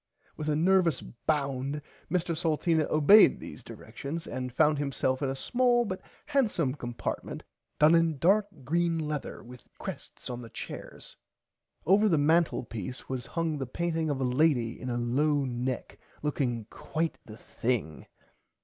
With a nervous bound Mr Salteena obeyd these directions and found himself in a small but handsome compartment done in dark green lether with crests on the chairs. Over the mantlepiece was hung the painting of a lady in a low neck looking quite the thing.